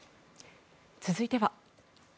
続いては。